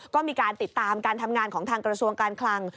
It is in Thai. ก็มีการติดตามการทำงานของทางกระทรวงการคลัง